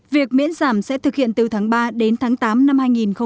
việc miễn giảm sẽ thực hiện từ tháng ba đến tháng tám năm hai nghìn hai mươi